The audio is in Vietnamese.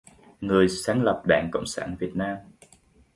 người sáng lập Đảng Cộng sản Việt Nam